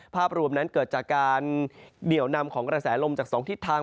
ภาพรวมนั้นเกิดจากการเดี่ยวนำของกระแสลมจาก๒ทิศทาง